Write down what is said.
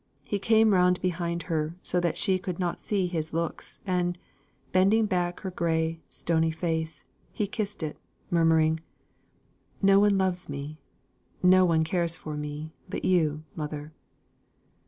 He came round behind her, so that she could not see his looks, and, bending back her gray, stony face, he kissed it, murmuring: "No one loves me, no one cares for me, but you, mother."